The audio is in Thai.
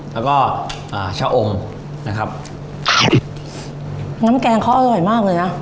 แล้วก็อ่าชะอมนะครับน้ำแกงเขาอร่อยมากเลยนะ